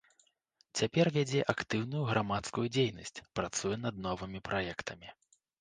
Цяпер вядзе актыўную грамадскую дзейнасць, працуе над новымі праектамі.